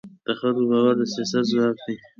د خلکو باور د سیاست ځواک دی